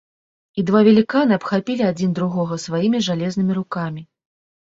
І два веліканы абхапілі адзін другога сваімі жалезнымі рукамі.